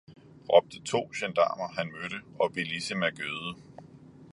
råbte to gendarmer, han mødte, og Bellissima gøede.